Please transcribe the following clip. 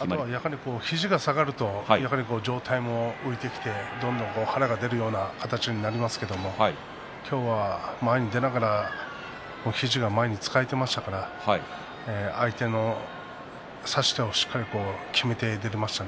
あとは、やはり肘が下がると上体も浮いてきてどんどん腹が出るような形になりますけれども今日は前に出るような肘が前に使えていましたから相手をしっかり差してやられましたね。